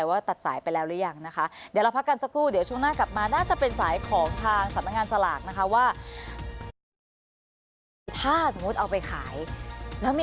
หรือว่าหรือว่าหรือว่าหรือว่าหรือว่าหรือว่าหรือว่าหรือว่าหรือว่าหรือว่าหรือว่า